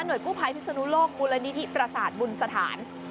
หน่วยผู้ภัยพิษฎุโลกบุรณีทิปราศาสตร์บุญสถาน